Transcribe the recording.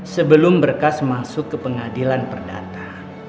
sebelum berkas masuk ke pengadilan perdata